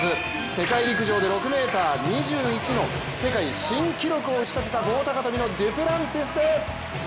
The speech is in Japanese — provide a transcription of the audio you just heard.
世界陸上で６ｍ２１の世界新記録を打ち立てた棒高跳のデュプランティスです。